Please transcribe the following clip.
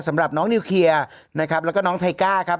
สำหรับน้องนิวเคลียร์นะครับแล้วก็น้องไทก้าครับ